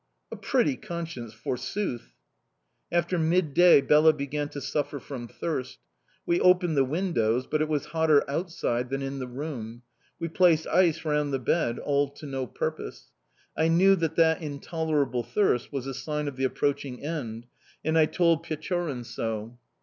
"A pretty conscience, forsooth! "After midday Bela began to suffer from thirst. We opened the windows, but it was hotter outside than in the room; we placed ice round the bed all to no purpose. I knew that that intolerable thirst was a sign of the approaching end, and I told Pechorin so.